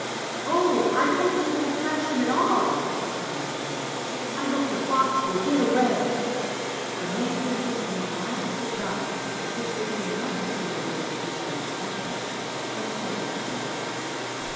Oh ! I hope he won't catch him at all," exclaimed Ned. I hope the fox will get away !" The man looked at him in mild surprise, as if this were not the sort of answer he had expected, but said nothing.